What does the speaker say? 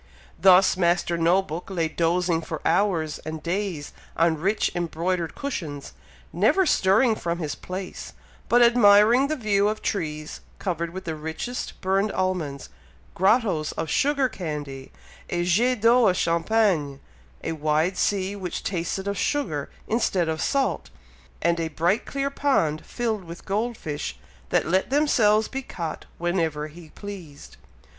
Thus Master No book lay dozing for hours and days on rich embroidered cushions, never stirring from his place, but admiring the view of trees covered with the richest burned almonds, grottoes of sugar candy, a jet d'eau of champagne, a wide sea which tasted of sugar instead of salt, and a bright clear pond, filled with gold fish, that let themselves be caught whenever he pleased.